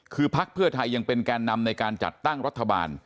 คือพักเพื่อไทยยังเป็นแกนนำในการจัดตั้งรัฐบาล